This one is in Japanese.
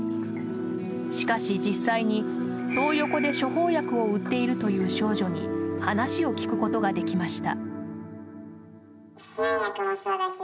しかし、実際にトー横で処方薬を売っている少女に話を聞くことができました。